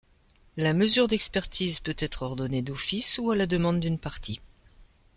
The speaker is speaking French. La mesure d'expertise peut-être ordonnée d'office ou à la demande d'une partie.